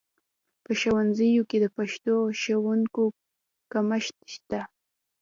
په ښوونځیو کې د پښتو ښوونکو کمښت شته